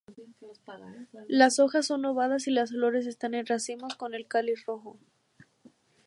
Las hojas son ovadas y las flores están en racimos, con el cáliz rojo.